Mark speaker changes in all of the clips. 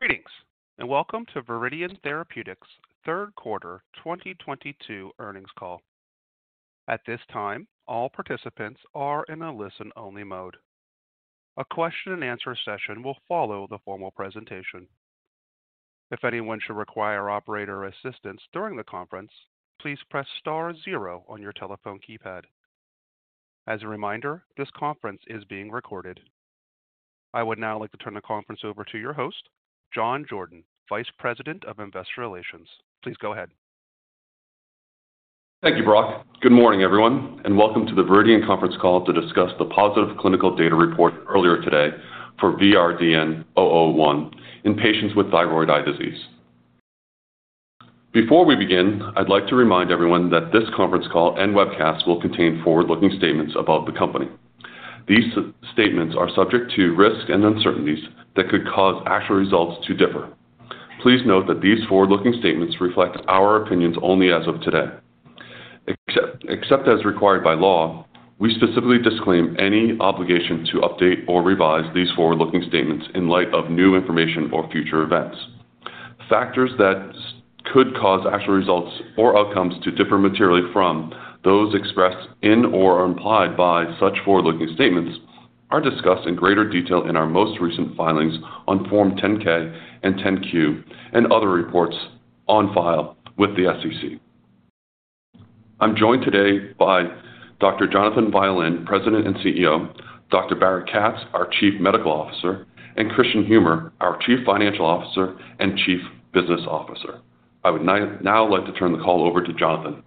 Speaker 1: Greetings, and welcome to Viridian Therapeutics' third quarter 2022 earnings call. At this time, all participants are in a listen-only mode. A question-and-answer session will follow the formal presentation. If anyone should require operator assistance during the conference, please press star zero on your telephone keypad. As a reminder, this conference is being recorded. I would now like to turn the conference over to your host, John Jordan, Vice President of Investor Relations. Please go ahead.
Speaker 2: Thank you, Brock. Good morning, everyone, and welcome to the Viridian conference call to discuss the positive clinical data reported earlier today for VRDN-001 in patients with thyroid eye disease. Before we begin, I'd like to remind everyone that this conference call and webcast will contain forward-looking statements about the company. These statements are subject to risk and uncertainties that could cause actual results to differ. Please note that these forward-looking statements reflect our opinions only as of today. Except as required by law, we specifically disclaim any obligation to update or revise these forward-looking statements in light of new information or future events. Factors that could cause actual results or outcomes to differ materially from those expressed in or implied by such forward-looking statements are discussed in greater detail in our most recent filings on Form 10-K and 10-Q and other reports on file with the SEC. I'm joined today by Dr. Jonathan Violin, President and CEO, Dr. Barrett Katz, our Chief Medical Officer, and Kristian Humer, our Chief Financial Officer and Chief Business Officer. I would now like to turn the call over to Jonathan.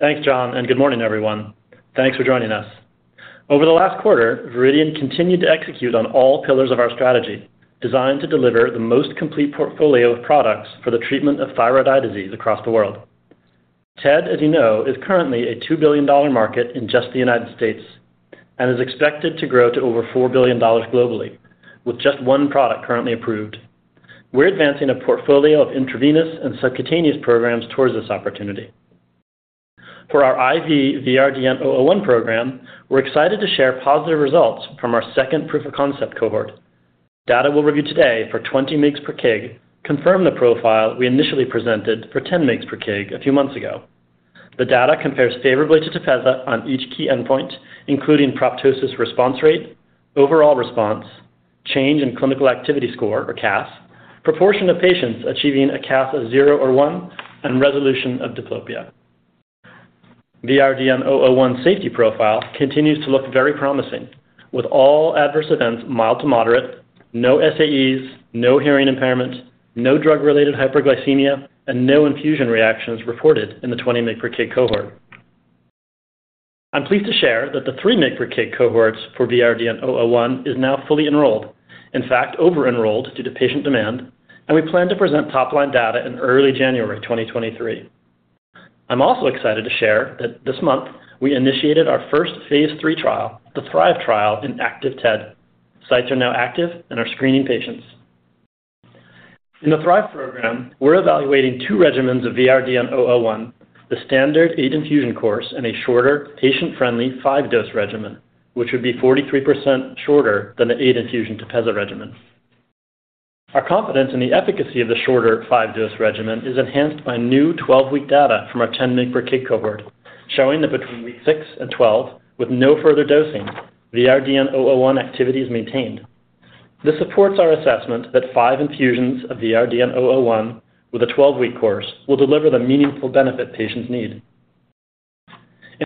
Speaker 3: Thanks, John, and good morning, everyone. Thanks for joining us. Over the last quarter, Viridian continued to execute on all pillars of our strategy designed to deliver the most complete portfolio of products for the treatment of thyroid eye disease across the world. TED, as you know, is currently a $2 billion market in just the United States and is expected to grow to over $4 billion globally, with just one product currently approved. We're advancing a portfolio of intravenous and subcutaneous programs towards this opportunity. For our IV VRDN-001 program, we're excited to share positive results from our second proof-of-concept cohort. Data we'll review today for 20 mg/kg confirm the profile we initially presented for 10 mg/kg a few months ago. The data compares favorably to TEPEZZA on each key endpoint, including proptosis response rate, overall response, change in clinical activity score or CAS, proportion of patients achieving a CAS of 0 or 1, and resolution of diplopia. VRDN-001 safety profile continues to look very promising. With all adverse events mild to moderate, no SAEs, no hearing impairment, no drug-related hyperglycemia, and no infusion reactions reported in the 20 mg/kg cohort. I'm pleased to share that the 3 mg/kg cohorts for VRDN-001 is now fully enrolled. In fact, over-enrolled due to patient demand, and we plan to present top-line data in early January 2023. I'm also excited to share that this month we initiated our first phase III trial, the THRIVE trial, in active TED. Sites are now active and are screening patients. In the THRIVE program, we're evaluating two regimens of VRDN-001, the standard eight infusion course and a shorter, patient-friendly 5-dose regimen, which would be 43% shorter than the eight infusion TEPEZZA regimen. Our confidence in the efficacy of the shorter 5-dose regimen is enhanced by new 12-week data from our 10 mg/kg cohort, showing that between week 6 and 12, with no further dosing, VRDN-001 activity is maintained. This supports our assessment that five infusions of VRDN-001 with a 12-week course will deliver the meaningful benefit patients need.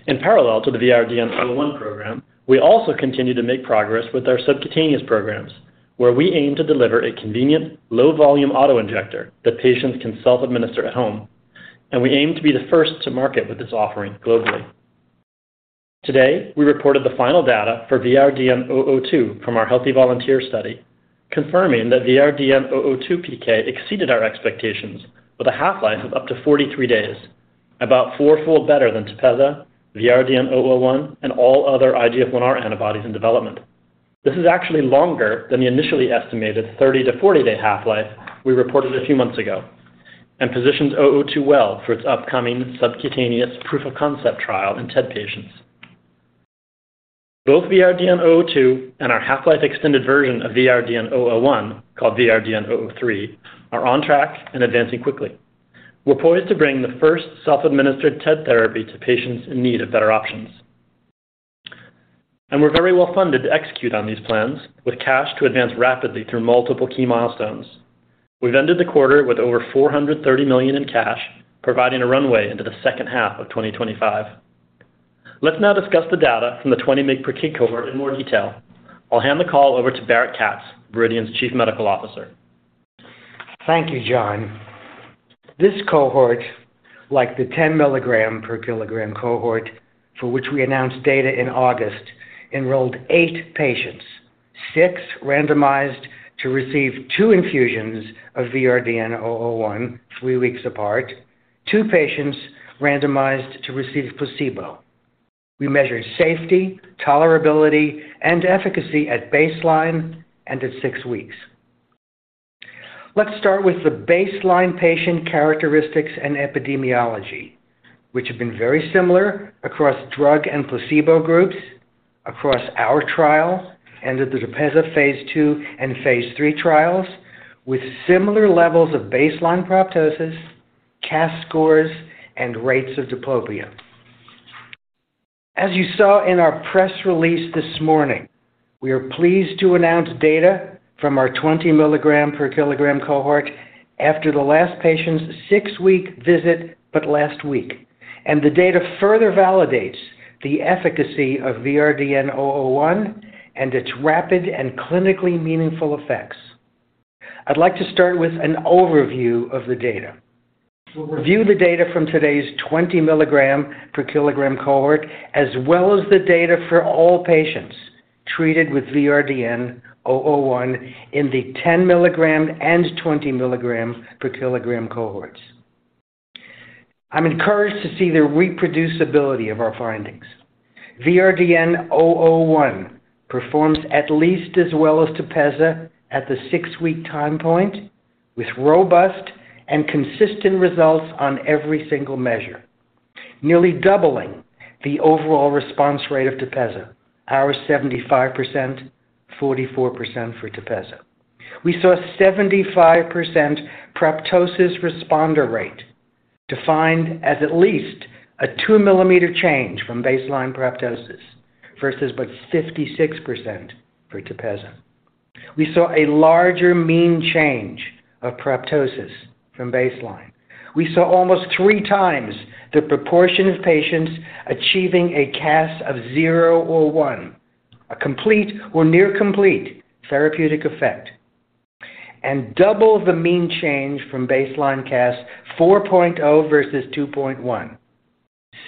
Speaker 3: In parallel to the VRDN-001 program, we also continue to make progress with our subcutaneous programs, where we aim to deliver a convenient, low-volume auto-injector that patients can self-administer at home, and we aim to be the first to market with this offering globally. Today, we reported the final data for VRDN-002 from our healthy volunteer study, confirming that VRDN-002 PK exceeded our expectations with a half-life of up to 43 days, about 4-fold better than TEPEZZA, VRDN-001, and all other IGF-1R antibodies in development. This is actually longer than the initially estimated 30- to 40-day half-life we reported a few months ago and positions 002 well for its upcoming subcutaneous proof-of-concept trial in TED patients. Both VRDN-002 and our half-life extended version of VRDN-001, called VRDN-003, are on track and advancing quickly. We're poised to bring the first self-administered TED therapy to patients in need of better options. We're very well funded to execute on these plans with cash to advance rapidly through multiple key milestones. We've ended the quarter with over $430 million in cash, providing a runway into the second half of 2025. Let's now discuss the data from the 20 mg/kg cohort in more detail. I'll hand the call over to Barrett Katz, Viridian's Chief Medical Officer.
Speaker 4: Thank you, John. This cohort, like the 10 mg/kg cohort for which we announced data in August, enrolled eight patients. Six randomized to receive two infusions of VRDN-001 three weeks apart. Two patients randomized to receive placebo. We measured safety, tolerability, and efficacy at baseline and at six weeks. Let's start with the baseline patient characteristics and epidemiology, which have been very similar across drug and placebo groups across our trial and that the TEPEZZA phase II and phase III trials with similar levels of baseline proptosis, CAS scores, and rates of diplopia. As you saw in our press release this morning, we are pleased to announce data from our 20 mg/kg cohort after the last patient's six-week visit, but last week, and the data further validates the efficacy of VRDN-001 and its rapid and clinically meaningful effects. I'd like to start with an overview of the data. We'll review the data from today's 20 mg/kg cohort, as well as the data for all patients treated with VRDN-001 in the 10 mg/kg And 20 mg/kg cohorts. I'm encouraged to see the reproducibility of our findings. VRDN-001 performs at least as well as TEPEZZA at the six-week time point with robust and consistent results on every single measure, nearly doubling the overall response rate of TEPEZZA. Ours 75%, 44% for TEPEZZA. We saw 75% proptosis responder rate defined as at least a 2 mm change from baseline proptosis versus but 56% for TEPEZZA. We saw a larger mean change of proptosis from baseline. We saw almost 3x the proportion of patients achieving a CAS of 0 or 1, a complete or near complete therapeutic effect, and double the mean change from baseline CAS 4.0 versus 2.1.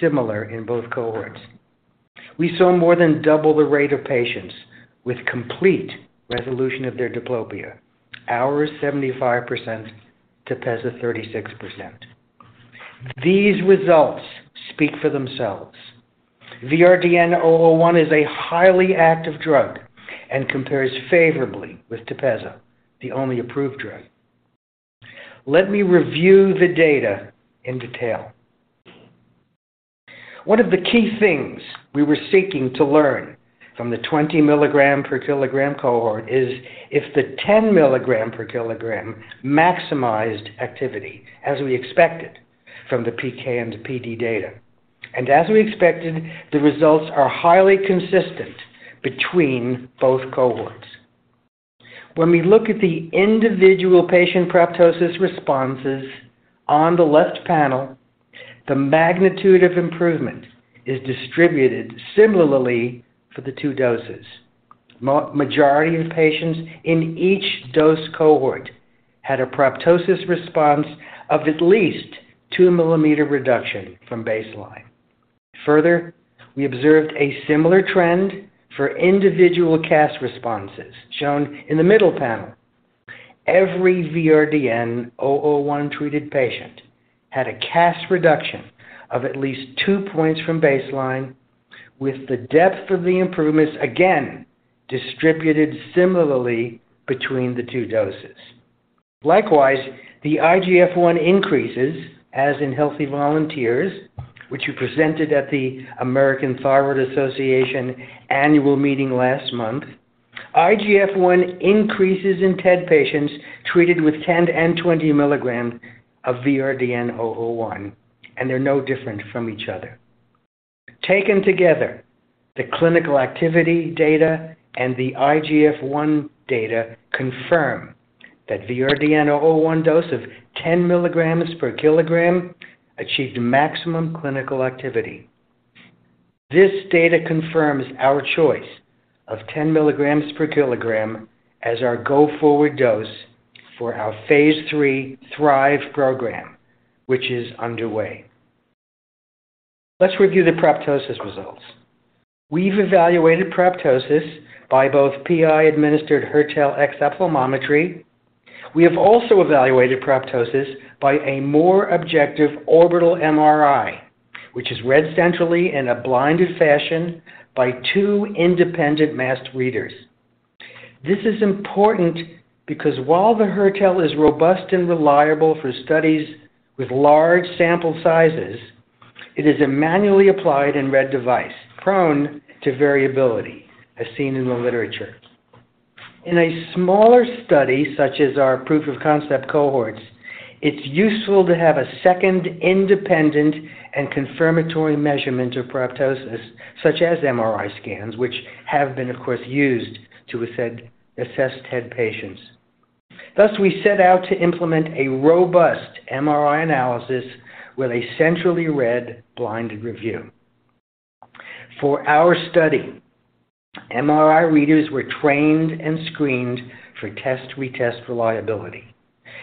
Speaker 4: Similar in both cohorts. We saw more than double the rate of patients with complete resolution of their diplopia. Ours 75%, TEPEZZA 36%. These results speak for themselves. VRDN-001 is a highly active drug and compares favorably with TEPEZZA, the only approved drug. Let me review the data in detail. One of the key things we were seeking to learn from the 20 mg/kg cohort is if the 10 mg/kg maximized activity as we expected from the PK and the PD data. As we expected, the results are highly consistent between both cohorts. When we look at the individual patient proptosis responses on the left panel, the magnitude of improvement is distributed similarly for the two doses. Majority of patients in each dose cohort had a proptosis response of at least 2 mm reduction from baseline. Further, we observed a similar trend for individual CAS responses shown in the middle panel. Every VRDN-001 treated patient had a CAS reduction of at least two points from baseline with the depth of the improvements, again, distributed similarly between the two doses. Likewise, the IGF-1 increases as in healthy volunteers, which you presented at the American Thyroid Association annual meeting last month. IGF-1 increases in TED patients treated with 10 mg and 20 mg of VRDN-001, and they're no different from each other. Taken together, the clinical activity data and the IGF-1 data confirm that VRDN-001 dose of 10 mg/kg achieved maximum clinical activity. This data confirms our choice of 10 mg/kg as our go-forward dose for our phase III THRIVE program, which is underway. Let's review the proptosis results. We've evaluated proptosis by both PI-administered Hertel exophthalmometry. We have also evaluated proptosis by a more objective orbital MRI, which is read centrally in a blinded fashion by two independent masked readers. This is important because while the Hertel is robust and reliable for studies with large sample sizes, it is a manually applied and read device prone to variability as seen in the literature. In a smaller study, such as our proof of concept cohorts, it's useful to have a second independent and confirmatory measurement of proptosis, such as MRI scans, which have been of course used to assess TED patients. Thus, we set out to implement a robust MRI analysis with a centrally read blinded review. For our study, MRI readers were trained and screened for test-retest reliability.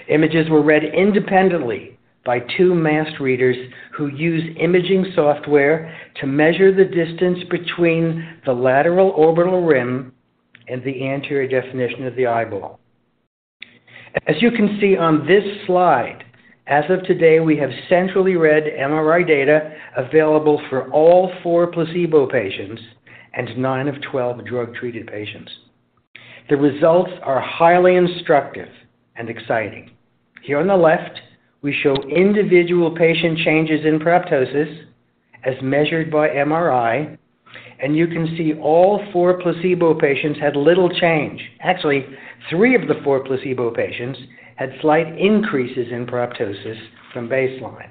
Speaker 4: Images were read independently by two masked readers who use imaging software to measure the distance between the lateral orbital rim and the anterior definition of the eyeball. As you can see on this slide, as of today, we have centrally read MRI data available for all four placebo patients. Nine of 12 drug-treated patients. The results are highly instructive and exciting. Here on the left, we show individual patient changes in proptosis as measured by MRI, and you can see all four placebo patients had little change. Actually, three of the four placebo patients had slight increases in proptosis from baseline.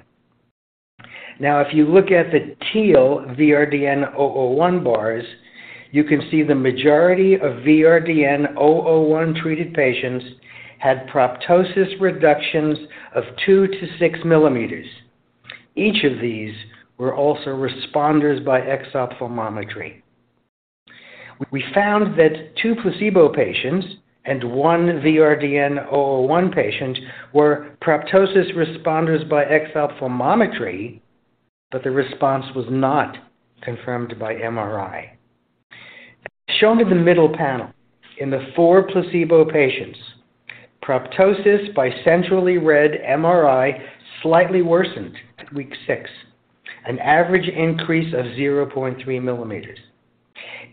Speaker 4: Now, if you look at the teal VRDN-001 bars, you can see the majority of VRDN-001 treated patients had proptosis reductions of 2 mm -6 mm. Each of these were also responders by exophthalmometry. We found that two placebo patients and one VRDN-001 patient were proptosis responders by exophthalmometry, but the response was not confirmed by MRI. Shown in the middle panel, in the four placebo patients, proptosis by centrally read MRI slightly worsened at week 6, an average increase of 0.3 mm.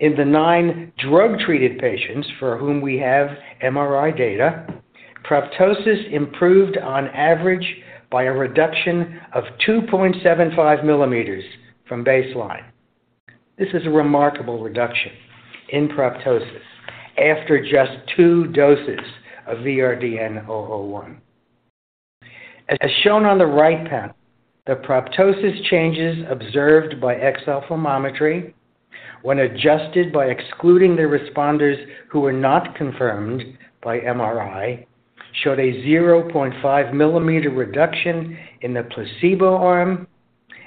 Speaker 4: In the nine drug-treated patients for whom we have MRI data, proptosis improved on average by a reduction of 2.75 mm from baseline. This is a remarkable reduction in proptosis after just two doses of VRDN-001. As shown on the right panel, the proptosis changes observed by exophthalmometry when adjusted by excluding the responders who were not confirmed by MRI showed a 0.5 mm reduction in the placebo arm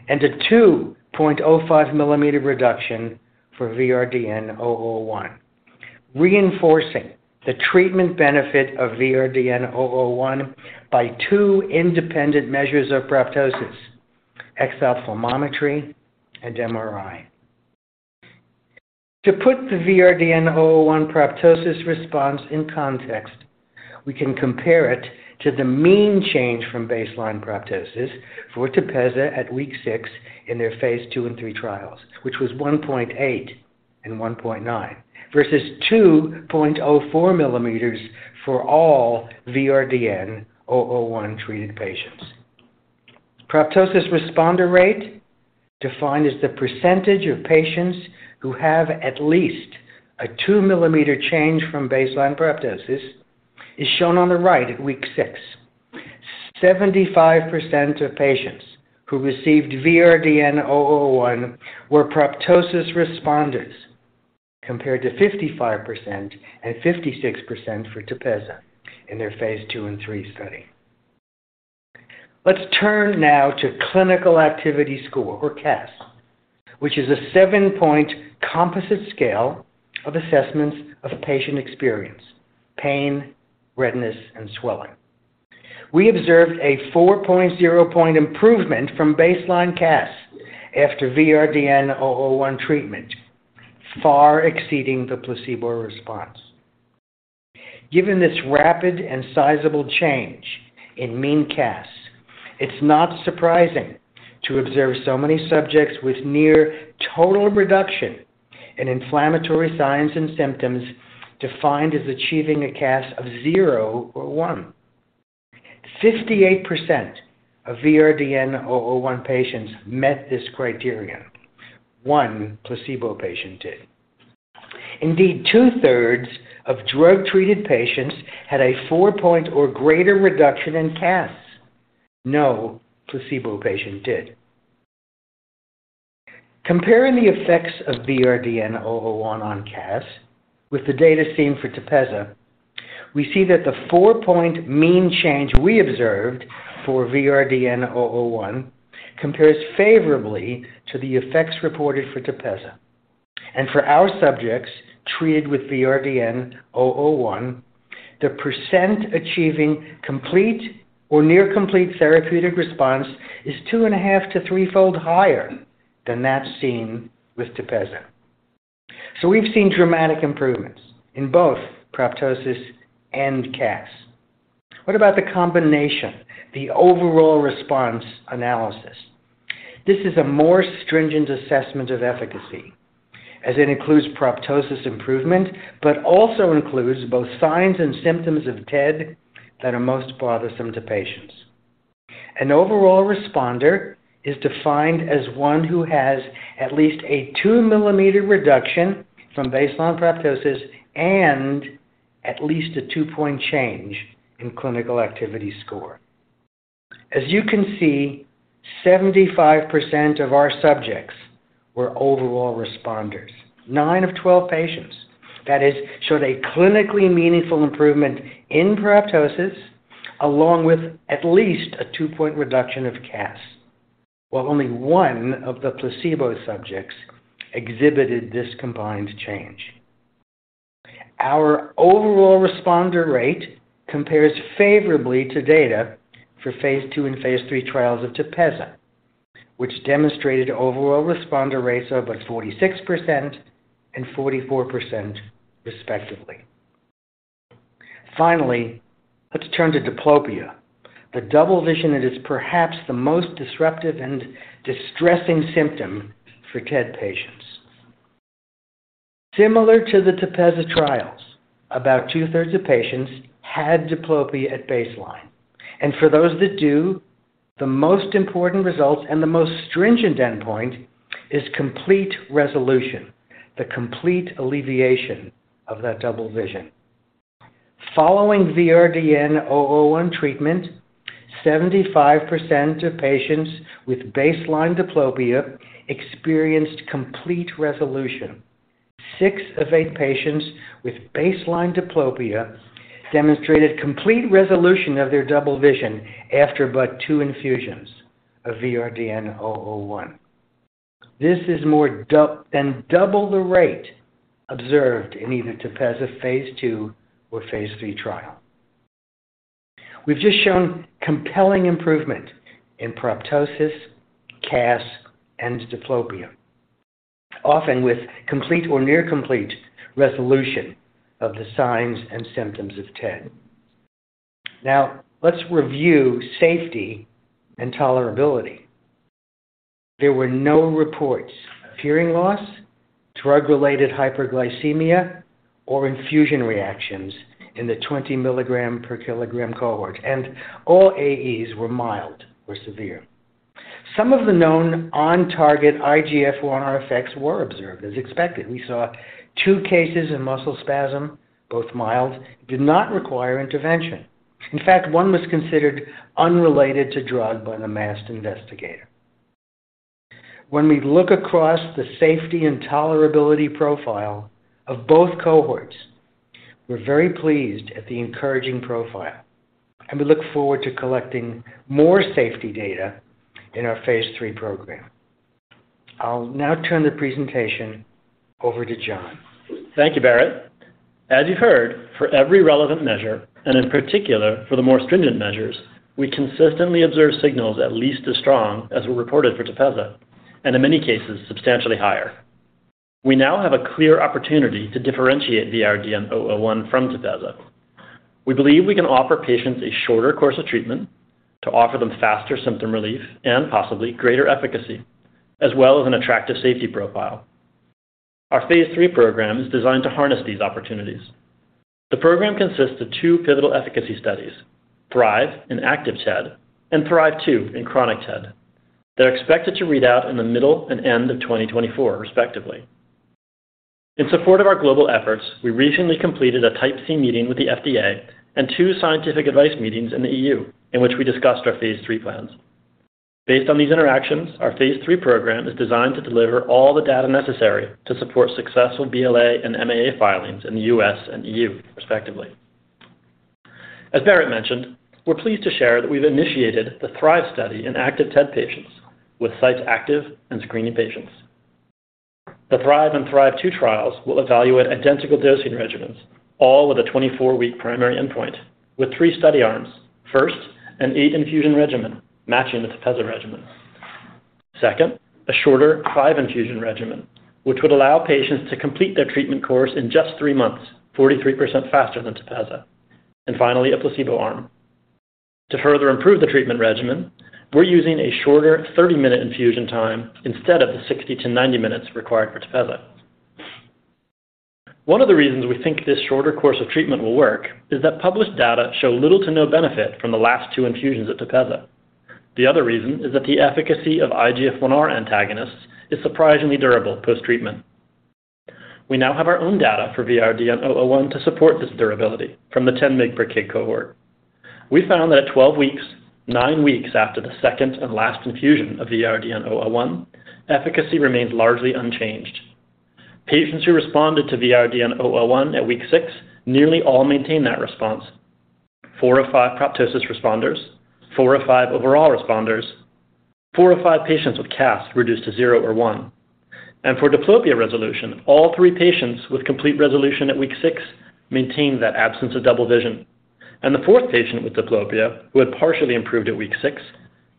Speaker 4: and a 2.5 mm reduction for VRDN-001, reinforcing the treatment benefit of VRDN-001 by two independent measures of proptosis, exophthalmometry and MRI. To put the VRDN-001 proptosis response in context, we can compare it to the mean change from baseline proptosis for TEPEZZA at week six in their phase II and III trials, which was 1.8 and 1.9 versus 2.04 mm for all VRDN-001 treated patients. Proptosis responder rate, defined as the percentage of patients who have at least a 2 mm change from baseline proptosis, is shown on the right at week six. 75% of patients who received VRDN-001 were proptosis responders, compared to 55% and 56% for TEPEZZA in their phase II and III study. Let's turn now to clinical activity score or CAS, which is a seven-point composite scale of assessments of patient experience, pain, redness, and swelling. We observed a 4.0-point improvement from baseline CAS after VRDN-001 treatment, far exceeding the placebo response. Given this rapid and sizable change in mean CAS, it's not surprising to observe so many subjects with near total reduction in inflammatory signs and symptoms defined as achieving a CAS of zero or one. 58% of VRDN-001 patients met this criterion. One placebo patient did. Indeed, two-thirds of drug-treated patients had a four-point or greater reduction in CAS. No placebo patient did. Comparing the effects of VRDN-001 on CAS with the data seen for TEPEZZA, we see that the four-point mean change we observed for VRDN-001 compares favorably to the effects reported for TEPEZZA. For our subjects treated with VRDN-001, the percent achieving complete or near complete therapeutic response is two and a half to threefold higher than that seen with TEPEZZA. We've seen dramatic improvements in both proptosis and CAS. What about the combination, the overall response analysis? This is a more stringent assessment of efficacy, as it includes proptosis improvement, but also includes both signs and symptoms of TED that are most bothersome to patients. An overall responder is defined as one who has at least a 2 mm reduction from baseline proptosis and at least a 2-point change in clinical activity score. As you can see, 75% of our subjects were overall responders. 9 of 12 patients, that is, showed a clinically meaningful improvement in proptosis, along with at least a 2-point reduction of CAS, while only 1 of the placebo subjects exhibited this combined change. Our overall responder rate compares favorably to data for phase II and phase III trials of TEPEZZA, which demonstrated overall responder rates of about 46% and 44% respectively. Finally, let's turn to diplopia, the double vision that is perhaps the most disruptive and distressing symptom for TED patients. Similar to the TEPEZZA trials, about two-thirds of patients had diplopia at baseline. For those that do, the most important results and the most stringent endpoint is complete resolution, the complete alleviation of that double vision. Following VRDN-001 treatment, 75% of patients with baseline diplopia experienced complete resolution. Six of eight patients with baseline diplopia demonstrated complete resolution of their double vision after about two infusions of VRDN-001. This is more than double the rate observed in either TEPEZZA phase II or phase III trial. We've just shown compelling improvement in proptosis, CAS, and diplopia, often with complete or near complete resolution of the signs and symptoms of TED. Now, let's review safety and tolerability. There were no reports of hearing loss, drug-related hyperglycemia, or infusion reactions in the 20 mg/kg cohort, and all AEs were mild or severe. Some of the known on-target IGF-I effects were observed as expected. We saw two cases of muscle spasm, both mild, did not require intervention. In fact, one was considered unrelated to drug by the masked investigator. When we look across the safety and tolerability profile of both cohorts, we're very pleased at the encouraging profile, and we look forward to collecting more safety data in our phase III program. I'll now turn the presentation over to John.
Speaker 3: Thank you, Barrett. As you've heard, for every relevant measure, and in particular for the more stringent measures, we consistently observe signals at least as strong as were reported for TEPEZZA, and in many cases, substantially higher. We now have a clear opportunity to differentiate VRDN-001 from TEPEZZA. We believe we can offer patients a shorter course of treatment to offer them faster symptom relief and possibly greater efficacy, as well as an attractive safety profile. Our phase III program is designed to harness these opportunities. The program consists of two pivotal efficacy studies, THRIVE in active TED and THRIVE-2 in chronic TED. They're expected to read out in the middle and end of 2024, respectively. In support of our global efforts, we recently completed a Type C meeting with the FDA and two scientific advice meetings in the EU, in which we discussed our phase III plans. Based on these interactions, our phase III program is designed to deliver all the data necessary to support successful BLA and MAA filings in the U.S. and E.U., respectively. As Barrett mentioned, we're pleased to share that we've initiated the THRIVE study in active TED patients with sites active and screening patients. The THRIVE and THRIVE-2 trials will evaluate identical dosing regimens, all with a 24-week primary endpoint with three study arms. First, an eight-infusion regimen matching the TEPEZZA regimen. Second, a shorter five-infusion regimen, which would allow patients to complete their treatment course in just three months, 43% faster than TEPEZZA. Finally, a placebo arm. To further improve the treatment regimen, we're using a shorter 30-minute infusion time instead of the 60-90 minutes required for TEPEZZA. One of the reasons we think this shorter course of treatment will work is that published data show little to no benefit from the last two infusions of TEPEZZA. The other reason is that the efficacy of IGF-I antagonists is surprisingly durable post-treatment. We now have our own data for VRDN-001 to support this durability from the 10 mg/kg cohort. We found that at 12 weeks, 9 weeks after the second and last infusion of VRDN-001, efficacy remained largely unchanged. Patients who responded to VRDN-001 at week 6 nearly all maintained that response. Four of five proptosis responders, four of five overall responders, four of five patients with CAS reduced to 0 or 1. For diplopia resolution, all three patients with complete resolution at week 6 maintained that absence of double vision. The fourth patient with diplopia, who had partially improved at week 6,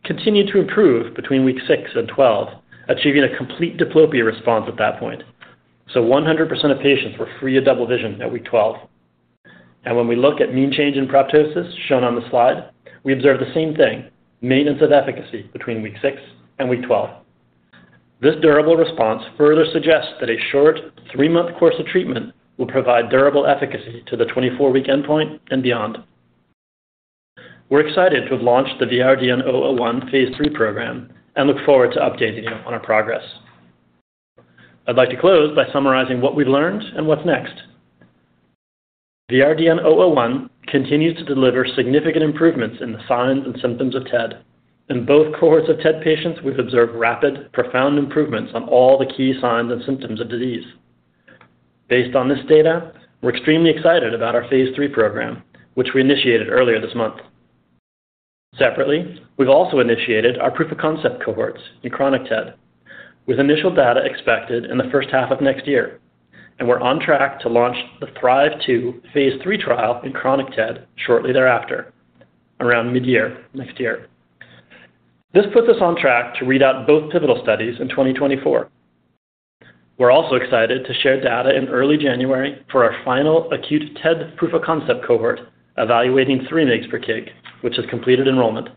Speaker 3: continued to improve between week 6 and 12, achieving a complete diplopia response at that point. 100% of patients were free of double vision at week 12. When we look at mean change in proptosis shown on the slide, we observe the same thing, maintenance of efficacy between week 6 and week 12. This durable response further suggests that a short three-month course of treatment will provide durable efficacy to the 24-week endpoint and beyond. We're excited to have launched the VRDN-001 phase III program and look forward to updating you on our progress. I'd like to close by summarizing what we've learned and what's next. VRDN-001 continues to deliver significant improvements in the signs and symptoms of TED. In both cohorts of TED patients, we've observed rapid, profound improvements on all the key signs and symptoms of disease. Based on this data, we're extremely excited about our phase III program, which we initiated earlier this month. Separately, we've also initiated our proof of concept cohorts in chronic TED, with initial data expected in the first half of next year. We're on track to launch the THRIVE-2 phase III trial in chronic TED shortly thereafter, around mid-year next year. This puts us on track to read out both pivotal studies in 2024. We're also excited to share data in early January for our final acute TED proof-of-concept cohort, evaluating 3 mg/kg, which has completed enrollment.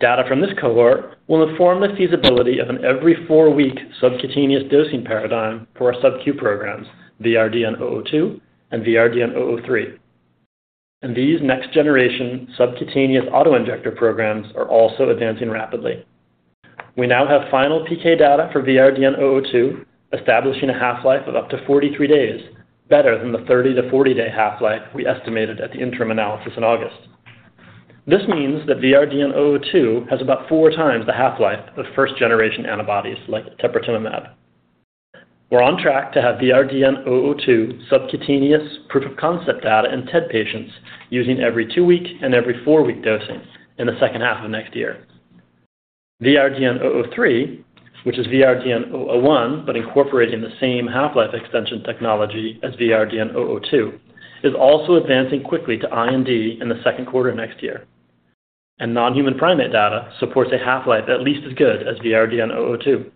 Speaker 3: Data from this cohort will inform the feasibility of an every four-week subcutaneous dosing paradigm for our subq programs, VRDN-002 and VRDN-003. These next-generation subcutaneous auto-injector programs are also advancing rapidly. We now have final PK data for VRDN-002, establishing a half-life of up to 43 days, better than the 30 to 40-day half-life we estimated at the interim analysis in August. This means that VRDN-002 has about 4x the half-life of first generation antibodies like Teprotumumab. We're on track to have VRDN-002 subcutaneous proof-of-concept data in TED patients using every two-week and every four-week dosing in the second half of next year. VRDN-003, which is VRDN-001, but incorporating the same half-life extension technology as VRDN-002, is also advancing quickly to IND in the second quarter next year. Non-human primate data supports a half-life at least as good as VRDN-002.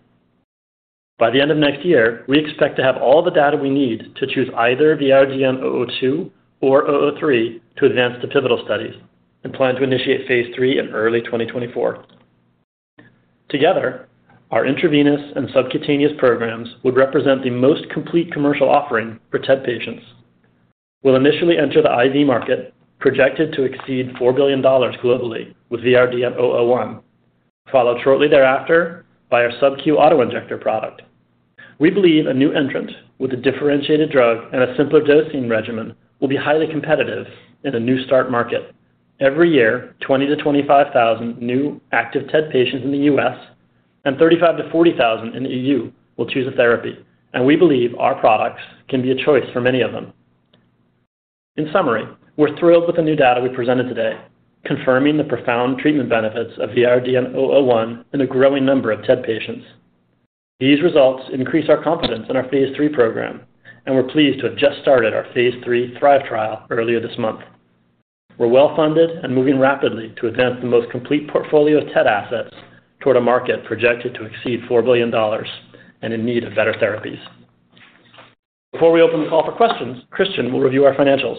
Speaker 3: By the end of next year, we expect to have all the data we need to choose either VRDN-002 or VRDN-003 to advance to pivotal studies and plan to initiate phase three in early 2024. Together, our intravenous and subcutaneous programs would represent the most complete commercial offering for TED patients. We'll initially enter the IV market, projected to exceed $4 billion globally with VRDN-001, followed shortly thereafter by our subq auto-injector product. We believe a new entrant with a differentiated drug and a simpler dosing regimen will be highly competitive in a nascent market. Every year, 20,000-25,000 new active TED patients in the U.S. and 35,000-40,000 in the E.U. will choose a therapy, and we believe our products can be a choice for many of them. In summary, we're thrilled with the new data we presented today, confirming the profound treatment benefits of VRDN-001 in a growing number of TED patients. These results increase our confidence in our phase three program, and we're pleased to have just started our phase three THRIVE trial earlier this month. We're well-funded and moving rapidly to advance the most complete portfolio of TED assets toward a market projected to exceed $4 billion and in need of better therapies. Before we open the call for questions, Kristian will review our financials.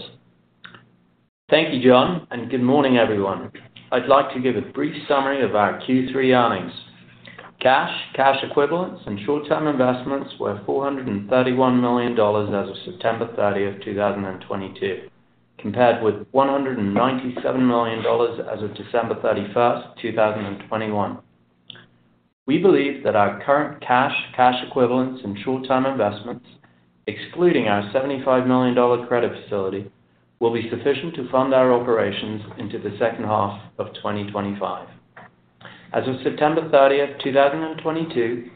Speaker 5: Thank you, John, and good morning, everyone. I'd like to give a brief summary of our Q3 earnings. Cash, cash equivalents, and short-term investments were $431 million as of September 30, 2022, compared with $197 million as of December 31, 2021. We believe that our current cash equivalents and short-term investments, excluding our $75 million credit facility, will be sufficient to fund our operations into the second half of 2025. As of September 30, 2022,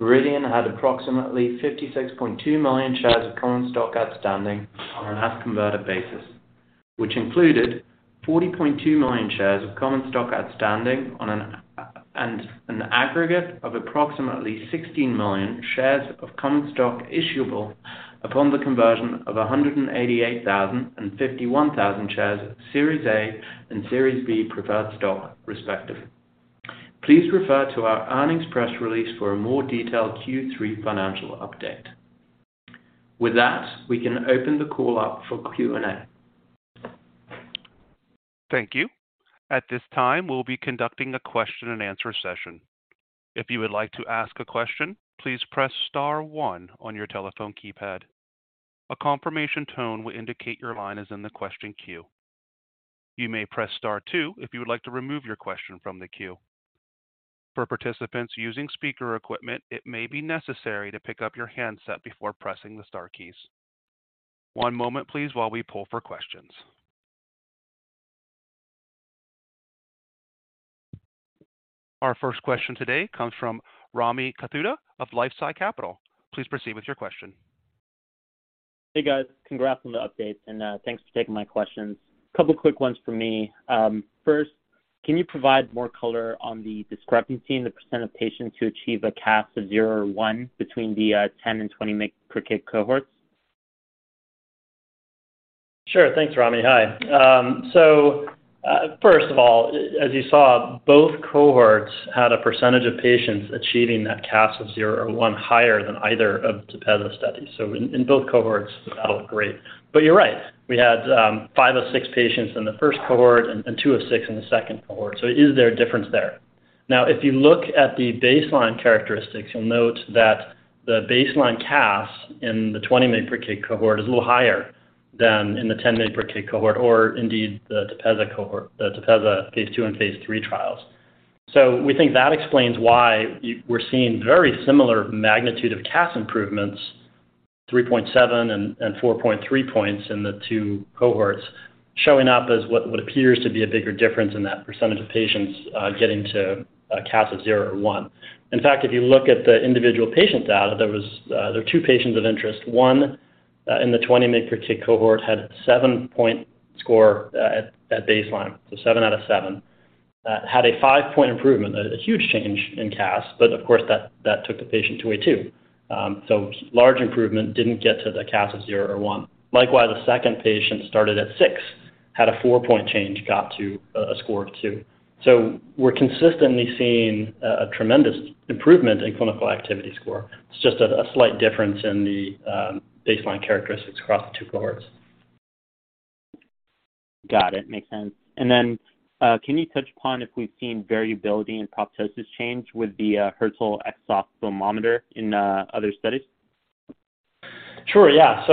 Speaker 5: Viridian had approximately 56.2 million shares of common stock outstanding on an as converted basis, which included 40.2 million shares of common stock outstanding and an aggregate of approximately 16 million shares of common stock issuable upon the conversion of 188,000 and 51,000 shares of Series A and Series B preferred stock, respectively. Please refer to our earnings press release for a more detailed Q3 financial update. With that, we can open the call up for Q&A.
Speaker 1: Thank you. At this time, we'll be conducting a question and answer session. If you would like to ask a question, please press star one on your telephone keypad. A confirmation tone will indicate your line is in the question queue. You may press star two if you would like to remove your question from the queue. For participants using speaker equipment, it may be necessary to pick up your handset before pressing the star keys. One moment, please, while we pull for questions. Our first question today comes from Rami Katkhuda of LifeSci Capital. Please proceed with your question.
Speaker 6: Hey, guys. Congrats on the updates and thanks for taking my questions. A couple of quick ones for me. First, can you provide more color on the discrepancy in the percent of patients who achieve a CAS of 0 or 1 between the 10 mg/kg and 20 mg/kg cohorts?
Speaker 3: Sure. Thanks, Rami. Hi, as you saw, both cohorts had a percentage of patients achieving that CAS of 0 or 1 higher than either of the TEPEZZA studies. In both cohorts, that looked great. You're right. We had five of six patients in the first cohort and two of six in the second cohort. There is a difference there. Now, if you look at the baseline characteristics, you'll note that the baseline CAS in the 20 mg/kg cohort is a little higher than in the 10 mg/kg cohort or indeed the TEPEZZA cohort, the TEPEZZA phase II and phase III trials. We think that explains why we're seeing very similar magnitude of CAS improvements, 3.7 and 4.3 points in the two cohorts, showing up as what appears to be a bigger difference in that percentage of patients getting to a CAS of 0 or 1. In fact, if you look at the individual patient data, there are two patients of interest. One in the 20 mg/kg cohort had a 7-point score at baseline. Seven out of seven. Had a 5-point improvement, a huge change in CAS, but of course, that took the patient to a two. Large improvement didn't get to the CAS of 0 or 1. Likewise, the second patient started at six. Had a 4-point change, got to a score of 2. We're consistently seeing a tremendous improvement in clinical activity score. It's just a slight difference in the baseline characteristics across the two cohorts.
Speaker 6: Got it. Makes sense. Can you touch upon if we've seen variability in proptosis change with the Hertel exophthalmometer in other studies?
Speaker 3: Sure, yeah.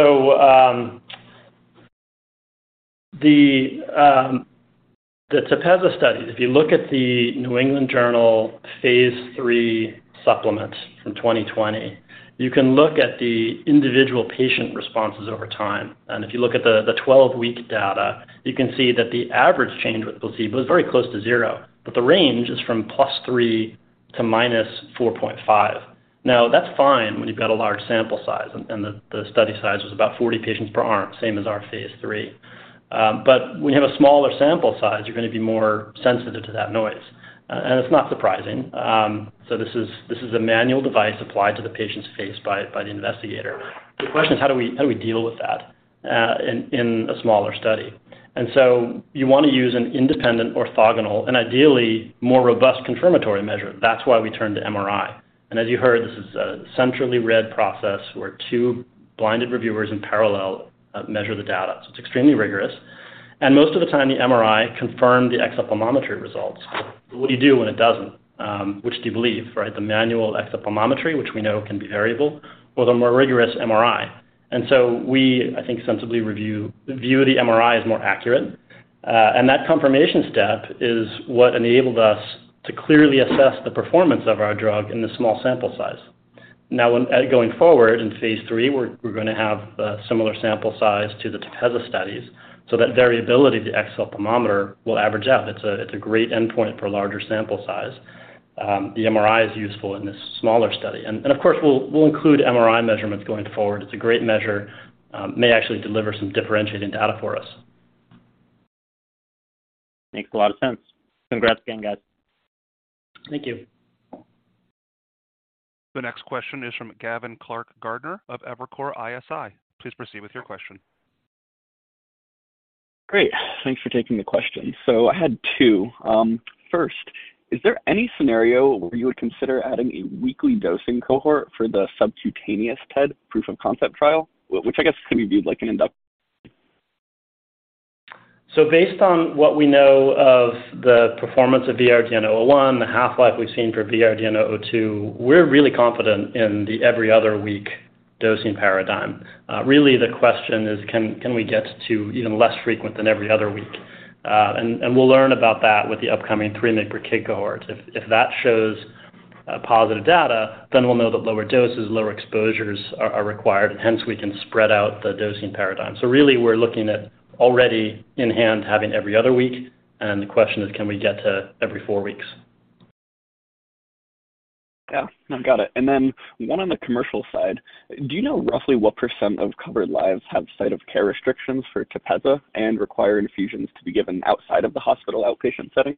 Speaker 3: The TEPEZZA studies, if you look at the New England Journal phase III supplements from 2020, you can look at the individual patient responses over time. If you look at the 12-week data, you can see that the average change with placebo is very close to zero, but the range is from +3 to -4.5. Now, that's fine when you've got a large sample size, and the study size was about 40 patients per arm, same as our phase III. When you have a smaller sample size, you're gonna be more sensitive to that noise. It's not surprising. This is a manual device applied to the patient's face by the investigator. The question is how do we deal with that in a smaller study? You wanna use an independent orthogonal and ideally more robust confirmatory measure. That's why we turn to MRI. As you heard, this is a centrally read process where two blinded reviewers in parallel measure the data, so it's extremely rigorous. Most of the time, the MRI confirmed the exophthalmometry results. But what do you do when it doesn't? Which do you believe, right? The manual exophthalmometry, which we know can be variable, or the more rigorous MRI? We, I think, sensibly view the MRI as more accurate. That confirmation step is what enabled us to clearly assess the performance of our drug in the small sample size. Going forward, in phase III, we're gonna have a similar sample size to the TEPEZZA studies, so that variability of the exophthalmometer will average out. It's a great endpoint for larger sample size. The MRI is useful in this smaller study. Of course, we'll include MRI measurements going forward. It's a great measure. May actually deliver some differentiating data for us.
Speaker 6: Makes a lot of sense. Congrats again, guys.
Speaker 3: Thank you.
Speaker 1: The next question is from Gavin Clark-Gartner of Evercore ISI. Please proceed with your question.
Speaker 7: Great. Thanks for taking the question. I had two. First, is there any scenario where you would consider adding a weekly dosing cohort for the subcutaneous TED proof of concept trial, which I guess can be viewed like an induct-
Speaker 3: Based on what we know of the performance of VRDN-001, the half-life we've seen for VRDN-002, we're really confident in the every other week dosing paradigm. Really the question is can we get to even less frequent than every other week? We'll learn about that with the upcoming 3 mg/kg cohort. If that shows positive data, then we'll know that lower doses, lower exposures are required, and hence we can spread out the dosing paradigm. Really we're looking at already in hand having every other week, and the question is can we get to every four weeks?
Speaker 7: Yeah. No, got it. One on the commercial side. Do you know roughly what percent of covered lives have site of care restrictions for TEPEZZA and require infusions to be given outside of the hospital outpatient setting?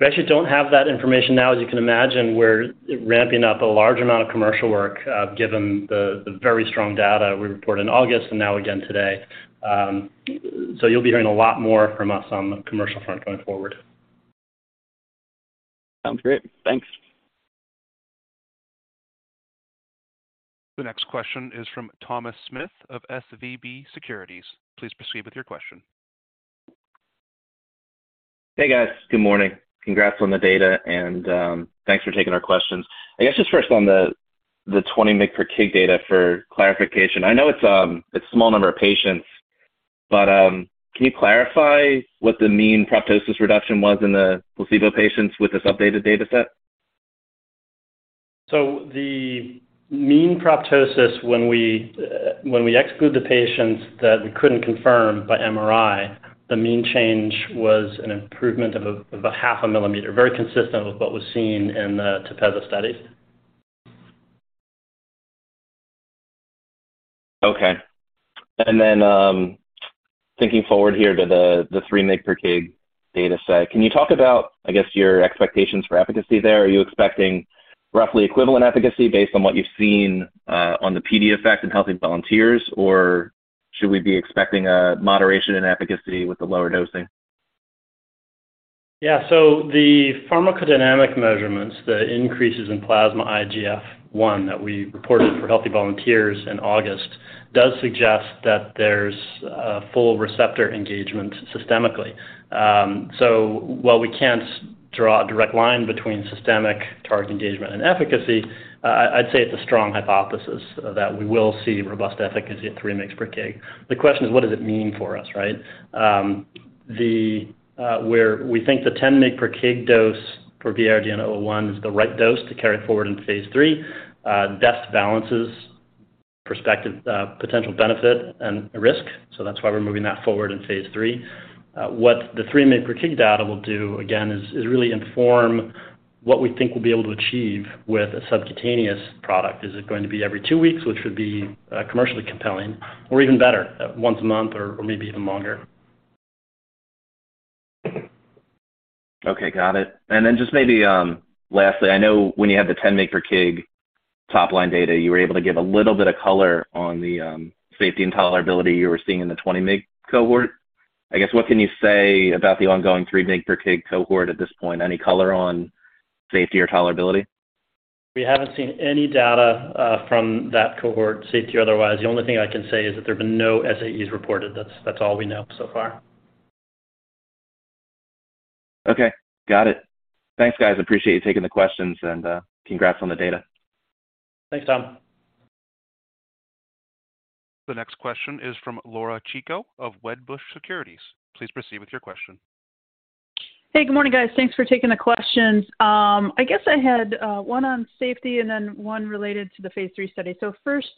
Speaker 3: We actually don't have that information now. As you can imagine, we're ramping up a large amount of commercial work, given the very strong data we reported in August and now again today. You'll be hearing a lot more from us on the commercial front going forward.
Speaker 7: Sounds great. Thanks.
Speaker 1: The next question is from Thomas Smith of SVB Securities. Please proceed with your question.
Speaker 8: Hey, guys. Good morning. Congrats on the data, and thanks for taking our questions. I guess just first on the 20 mg/kg data for clarification. I know it's small number of patients, but can you clarify what the mean proptosis reduction was in the placebo patients with this updated dataset?
Speaker 3: The mean proptosis when we exclude the patients that we couldn't confirm by MRI, the mean change was an improvement of a half a millimeter, very consistent with what was seen in the TEPEZZA study.
Speaker 8: Thinking forward here to the 3 mg/kg data set, can you talk about, I guess, your expectations for efficacy there? Are you expecting roughly equivalent efficacy based on what you've seen on the PD effect in healthy volunteers, or should we be expecting a moderation in efficacy with the lower dosing?
Speaker 3: Yeah. The pharmacodynamic measurements, the increases in plasma IGF-I that we reported for healthy volunteers in August does suggest that there's a full receptor engagement systemically. While we can't draw a direct line between systemic target engagement and efficacy, I'd say it's a strong hypothesis that we will see robust efficacy at 3 mg/kg. The question is what does it mean for us, right? We think the 10 mg/kg dose for VRDN-001 is the right dose to carry forward in phase III, best balances perspective, potential benefit and risk, so that's why we're moving that forward in phase III. What the 3 mg/kg data will do, again, is really inform what we think we'll be able to achieve with a subcutaneous product. Is it going to be every two weeks, which would be, commercially compelling, or even better, once a month or maybe even longer?
Speaker 8: Okay, got it. Then just maybe, lastly, I know when you had the 10 mg/kg top-line data, you were able to give a little bit of color on the, safety and tolerability you were seeing in the 20 mg cohort. I guess, what can you say about the ongoing 3 mg/kg cohort at this point? Any color on safety or tolerability?
Speaker 3: We haven't seen any data from that cohort, safety or otherwise. The only thing I can say is that there have been no SAEs reported. That's all we know so far.
Speaker 9: Okay. Got it. Thanks, guys. Appreciate you taking the questions and congrats on the data.
Speaker 3: Thanks, Tom.
Speaker 1: The next question is from Laura Chico of Wedbush Securities. Please proceed with your question.
Speaker 10: Hey, good morning, guys. Thanks for taking the questions. I guess I had one on safety and then one related to the phase III study. First,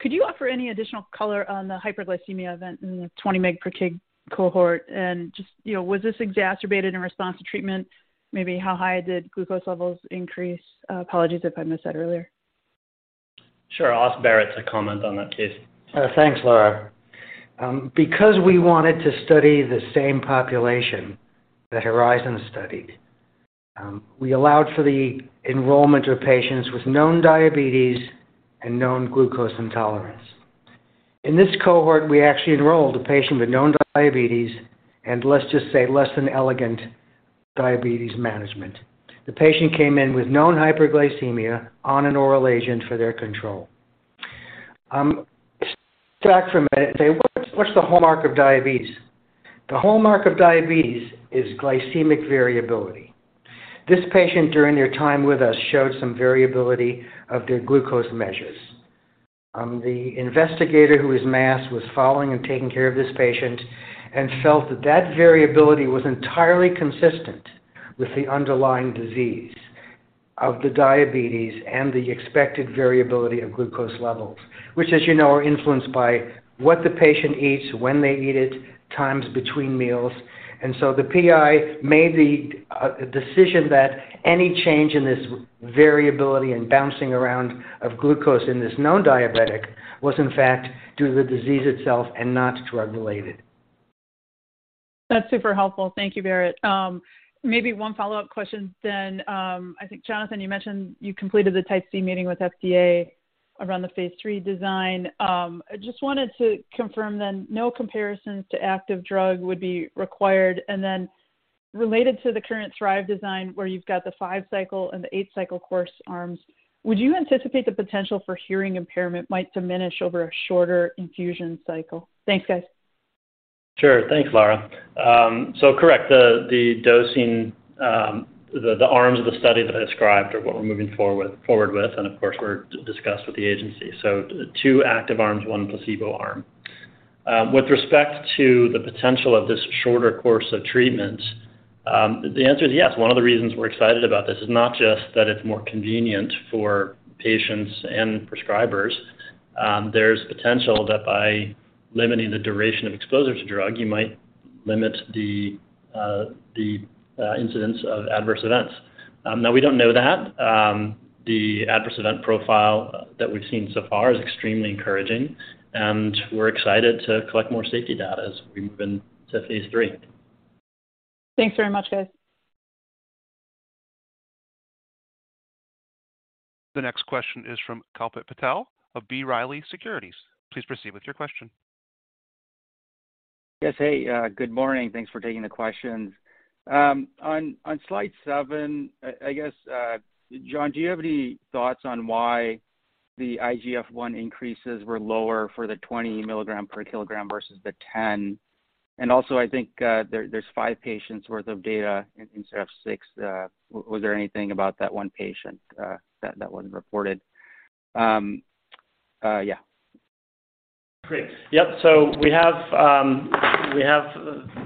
Speaker 10: could you offer any additional color on the hyperglycemia event in the 20 mg/kg cohort? And just, you know, was this exacerbated in response to treatment? Maybe how high did glucose levels increase? Apologies if I missed that earlier.
Speaker 3: Sure. I'll ask Barrett to comment on that, please.
Speaker 4: Thanks, Laura. Because we wanted to study the same population that Horizon studied, we allowed for the enrollment of patients with known diabetes and known glucose intolerance. In this cohort, we actually enrolled a patient with known diabetes and let's just say less than elegant diabetes management. The patient came in with known hyperglycemia on an oral agent for their control. Step back for a minute and say, what's the hallmark of diabetes? The hallmark of diabetes is glycemic variability. This patient, during their time with us, showed some variability of their glucose measures. The investigator who is masked was following and taking care of this patient and felt that variability was entirely consistent with the underlying disease of the diabetes and the expected variability of glucose levels, which, as you know, are influenced by what the patient eats, when they eat it, times between meals. The PI made the decision that any change in this variability and bouncing around of glucose in this known diabetic was in fact due to the disease itself and not drug-related.
Speaker 10: That's super helpful. Thank you, Barrett. Maybe one follow-up question then. I think, Jonathan, you mentioned you completed the Type C meeting with FDA around the phase III design. I just wanted to confirm then no comparisons to active drug would be required. Then related to the current THRIVE design, where you've got the five-cycle and the eight-cycle course arms, would you anticipate the potential for hearing impairment might diminish over a shorter infusion cycle? Thanks, guys.
Speaker 3: Sure. Thanks, Laura. Correct, the dosing, the arms of the study that I described are what we're moving forward with, and of course, were discussed with the agency. Two active arms, one placebo arm. With respect to the potential of this shorter course of treatment, the answer is yes. One of the reasons we're excited about this is not just that it's more convenient for patients and prescribers. There's potential that by limiting the duration of exposure to drug, you might limit the incidence of adverse events. Now we don't know that. The adverse event profile that we've seen so far is extremely encouraging, and we're excited to collect more safety data as we move into phase III.
Speaker 10: Thanks very much, guys.
Speaker 1: The next question is from Kalpit Patel of B. Riley Securities. Please proceed with your question.
Speaker 11: Yes. Hey, good morning. Thanks for taking the questions. On slide seven, I guess, John, do you have any thoughts on why the IGF-I increases were lower for the 20 mg/kg versus the 10? Also, I think, there's five patients worth of data instead of six. Was there anything about that one patient, that wasn't reported? Yeah.
Speaker 3: Great. Yep. We have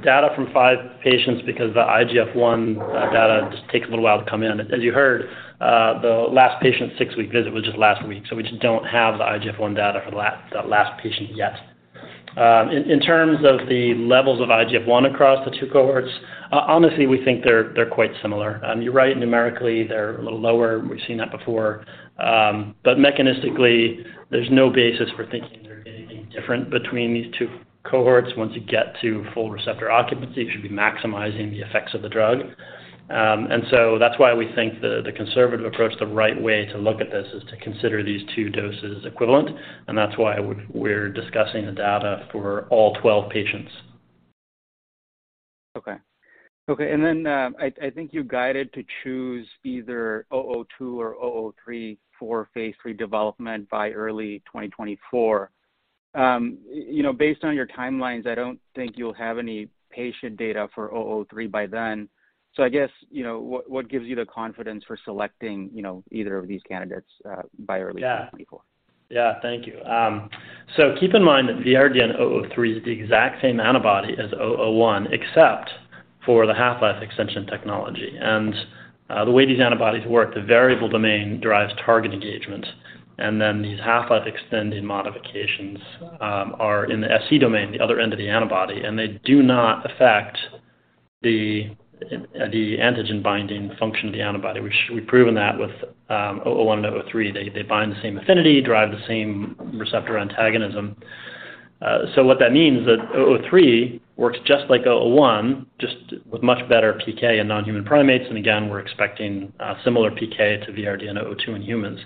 Speaker 3: data from five patients because the IGF-I data just takes a little while to come in. As you heard, the last patient's six-week visit was just last week, so we just don't have the IGF-I data for that last patient yet. In terms of the levels of IGF-I across the two cohorts, honestly, we think they're quite similar. You're right, numerically, they're a little lower. We've seen that before. Mechanistically, there's no basis for thinking they're anything different between these two cohorts. Once you get to full receptor occupancy, you should be maximizing the effects of the drug. That's why we think the conservative approach, the right way to look at this is to consider these two doses equivalent, and that's why we're discussing the data for all 12 patients.
Speaker 11: I think you guided to choose either VRDN-002 or VRDN-003 for phase III development by early 2024. You know, based on your timelines, I don't think you'll have any patient data for VRDN-003 by then. I guess, you know, what gives you the confidence for selecting, you know, either of these candidates by early 2024?
Speaker 3: Yeah. Thank you. Keep in mind that VRDN-003 is the exact same antibody as VRDN-001, except for the half-life extension technology. The way these antibodies work, the variable domain drives target engagement, and then these half-life extending modifications are in the Fc domain, the other end of the antibody, and they do not affect the antigen binding function of the antibody. We've proven that with VRDN-001 and VRDN-003. They bind the same affinity, drive the same receptor antagonism. What that means is that VRDN-003 works just like VRDN-001, just with much better PK in non-human primates, and again, we're expecting similar PK to VRDN-002 in humans.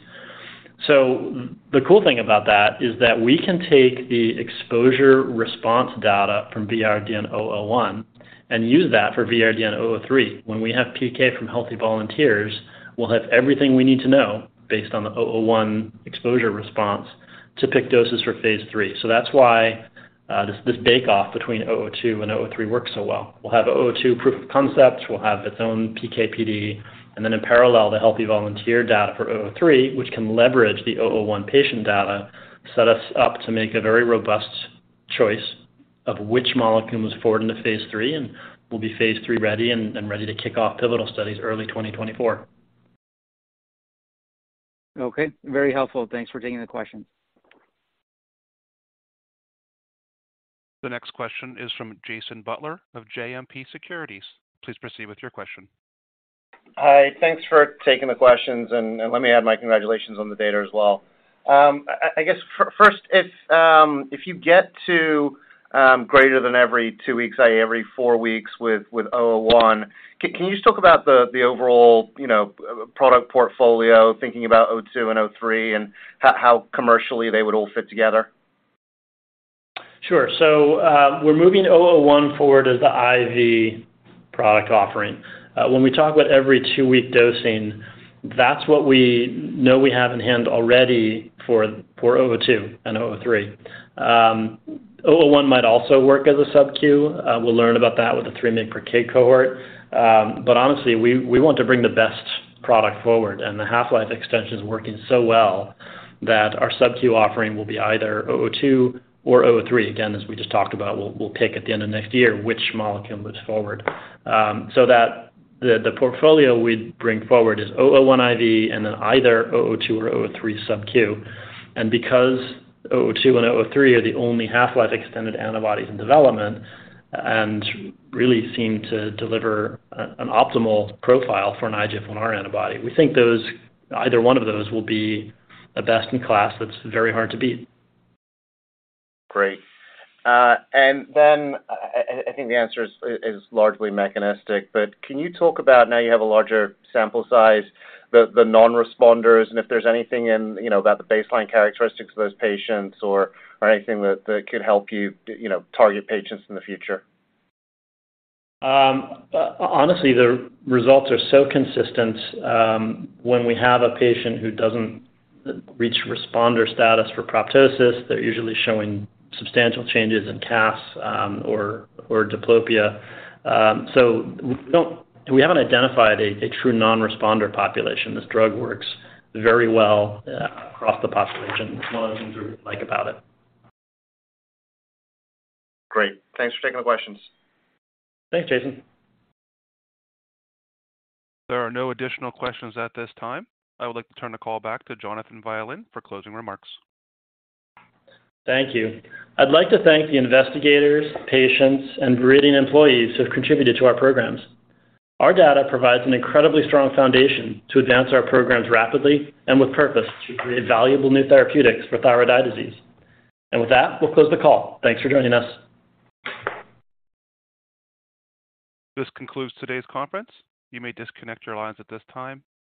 Speaker 3: The cool thing about that is that we can take the exposure response data from VRDN-001 and use that for VRDN-003. When we have PK from healthy volunteers, we'll have everything we need to know based on the VRDN-001 exposure response to pick doses for phase III. That's why this bake off between VRDN-002 and VRDN-003 works so well. We'll have VRDN-002 proof of concept. We'll have its own PK/PD, and then in parallel, the healthy volunteer data for VRDN-003, which can leverage the VRDN-001 patient data, set us up to make a very robust choice of which molecule moves forward into phase III, and we'll be phase III-ready and ready to kick off pivotal studies early 2024.
Speaker 11: Okay, very helpful. Thanks for taking the question.
Speaker 1: The next question is from Jason Butler of JMP Securities. Please proceed with your question.
Speaker 12: Hi. Thanks for taking the questions, and let me add my congratulations on the data as well. I guess first, if you get to greater than every two weeks, i.e., every four weeks with VRDN-001, can you just talk about the overall, you know, product portfolio, thinking about VRDN-002 and VRDN-003, and how commercially they would all fit together?
Speaker 3: Sure. We're moving VRDN-001 forward as the IV product offering. When we talk about every two week dosing, that's what we know we have in hand already for VRDN-002 and VRDN-003. VRDN-001 might also work as a subcu. We'll learn about that with the 3 mg/kg cohort. But honestly, we want to bring the best product forward, and the half-life extension is working so well that our subcu offering will be either VRDN-002 or VRDN-003. Again, as we just talked about, we'll pick at the end of next year which molecule moves forward. That the portfolio we'd bring forward is VRDN-001 IV and then either VRDN-002 or VRDN-003 subcu. and VRDN-003 are the only half-life extended antibodies in development and really seem to deliver an optimal profile for an IGF-1R antibody, we think those, either one of those will be a best in class that's very hard to beat.
Speaker 12: Great. I think the answer is largely mechanistic, but can you talk about now you have a larger sample size, the non-responders and if there's anything in, you know, about the baseline characteristics of those patients or anything that could help you know, target patients in the future?
Speaker 3: Honestly, the results are so consistent. When we have a patient who doesn't reach responder status for proptosis, they're usually showing substantial changes in CAS, or diplopia. We haven't identified a true non-responder population. This drug works very well across the population. It's one of the things we like about it.
Speaker 12: Great. Thanks for taking the questions.
Speaker 13: Thanks, Jason.
Speaker 1: There are no additional questions at this time. I would like to turn the call back to Jonathan Violin for closing remarks.
Speaker 3: Thank you. I'd like to thank the investigators, patients, and Viridian employees who have contributed to our programs. Our data provides an incredibly strong foundation to advance our programs rapidly and with purpose to create valuable new therapeutics for thyroid eye disease. With that, we'll close the call. Thanks for joining us.
Speaker 1: This concludes today's conference. You may disconnect your lines at this time.